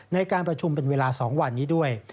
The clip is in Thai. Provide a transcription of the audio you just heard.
ในการประชุมเป็นเวลา๒วันนี้ด้วย